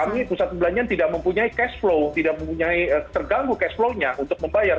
kami pusat perbelanjaan tidak mempunyai cash flow tidak terganggu cash flow nya untuk membayar